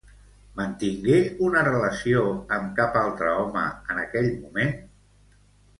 Mantingué una relació amb cap altre home en aquell moment?